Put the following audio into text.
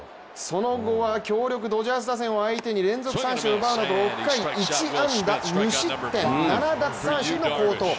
その後は強力ドジャース打線を相手に連続三振を奪うなど６回１安打無失点７奪三振の好投。